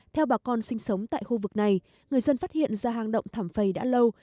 theo bà con sinh sống tại khu vực này người dân phát hiện ra hang động thảm phầy đã lâu